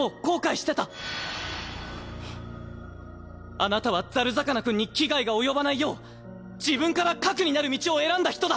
あなたはザル魚君に危害が及ばないよう自分から核になる道を選んだ人だ。